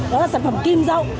đó là sản phẩm kim rau